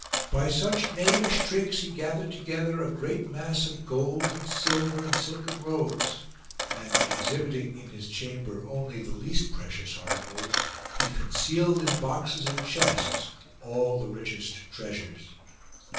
By such knavish tricks he gathered together a great mass of gold and silver and silken robes ; and, exhibiting in his chamber only the least precious articles, he concealed in boxes and chests all the richest treasures.